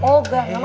oh gak gak mau